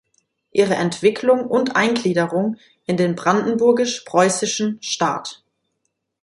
Ihre Entwicklung und Eingliederung in den brandenburgisch-preußischen Staat“.